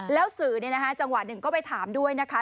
แล้วสื่อจังหวะหนึ่งก็ไปถามด้วยนะคะ